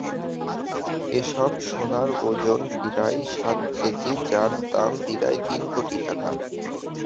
এসব সোনার ওজন প্রায় সাত কেজি, যার দাম প্রায় তিন কোটি টাকা।